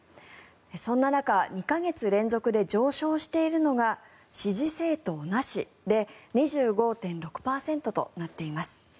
そんな中、２か月連続で上昇しているのが支持政党なしで２５．６％となっています。